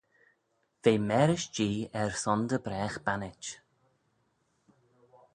V'eh mârish Jee er son dy bragh bannit.